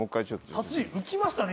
達人浮きましたね